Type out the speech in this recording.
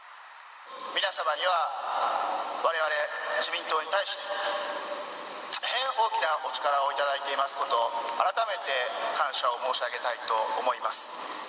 皆様にはわれわれ自民党に対し、大変大きなお力を頂いておりますことを、改めて感謝を申し上げたいと思います。